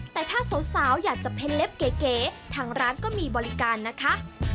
แต่ถ้าสาวอยากจะเป็นเล็บเก๋ทางร้านก็มีบริการนะคะ